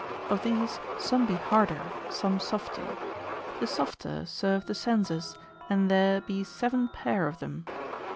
Of these some be harder, some softer; the softer serve the senses, and there be seven pair of them.